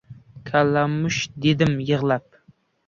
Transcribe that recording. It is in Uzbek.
Kalamush! - dedim yig‘lab.